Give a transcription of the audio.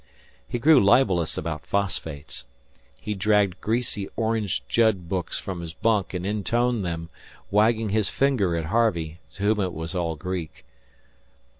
He grew libellous about phosphates; he dragged greasy "Orange Judd" books from his bunk and intoned them, wagging his finger at Harvey, to whom it was all Greek.